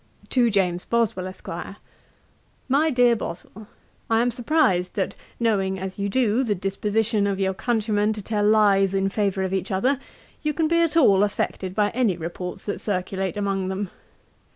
'To JAMES BOSWELL, ESQ. 'My DEAR BOSWELL, 'I am surprised that, knowing as you do the disposition of your countrymen to tell lies in favour of each other, you can be at all affected by any reports that circulate among them.